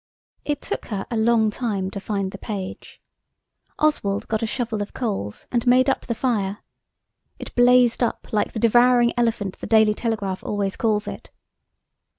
It took her a long time to find the page. Oswald got a shovel of coals and made up the fire. It blazed up like the devouring elephant the Daily Telegraph always calls it.